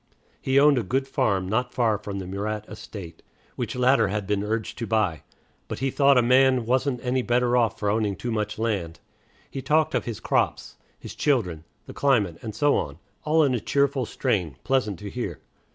He owned a good farm not far from the Murat estate, which latter he had been urged to buy; but he thought a man wasn't any better off for owning too much land. He talked of his crops, his children, the climate, and so on, all in a cheerful strain, pleasant to hear.